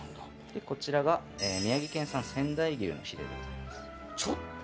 こちらが宮城県産、仙台牛のヒレでございます。